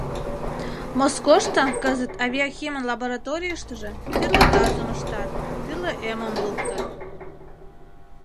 Москошто кызыт авиахимын лабораторийыштыже тӱрлӧ газым ыштат, тӱрлӧ эмым луктыт.